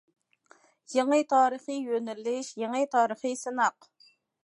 يېڭى تارىخىي يۆنىلىش، يېڭى تارىخىي سىناق.